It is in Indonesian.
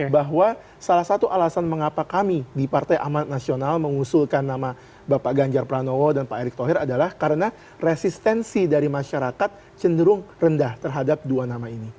bahwa salah satu alasan mengapa kami di partai amanat nasional mengusulkan nama bapak ganjar pranowo dan pak erick thohir adalah karena resistensi dari masyarakat cenderung rendah terhadap dua nama ini